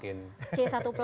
ini yang tidak mungkin